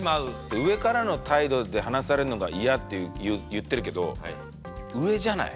「上からの態度で話されるのが嫌」って言ってるけど上じゃない？